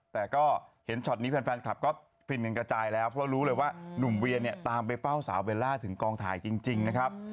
แต่ก็เห็นช็อตนี้แฟนคลับก็ฟินกันกระจายแล้วเพราะรู้เลยว่าหนุ่มเวียเนี่ยตามไปเฝ้าสาวเบลล่าถึงกองถ่ายจริงนะครับ